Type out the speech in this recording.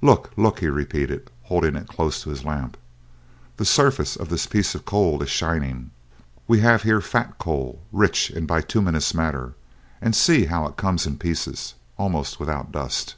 look!" he repeated, holding it close to his lamp; "the surface of this piece of coal is shining! We have here fat coal, rich in bituminous matter; and see how it comes in pieces, almost without dust!